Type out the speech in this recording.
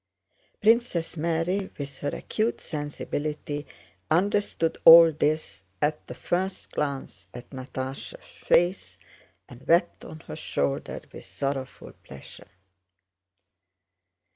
Princess Mary, with her acute sensibility, understood all this at the first glance at Natásha's face, and wept on her shoulder with sorrowful pleasure.